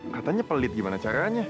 katanya pelit gimana caranya